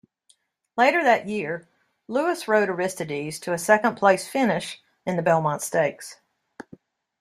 Later that year, Lewis rode Aristides to a second-place finish in the Belmont Stakes.